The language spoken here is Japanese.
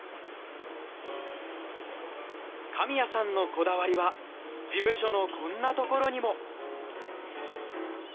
神谷さんのこだわりは事務所のこんなところにも。